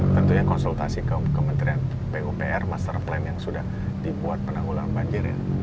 tentunya konsultasi ke kementerian pupr master plan yang sudah dibuat penanggulangan banjir ya